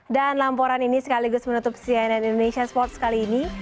dan lamporan ini sekaligus menutup cnn indonesia sports kali ini